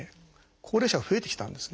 高齢者が増えてきたんですね。